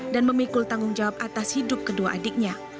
dan memikul tanggung jawab atas hidup kedua adiknya